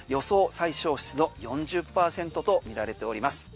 最小湿度４０％と見られております。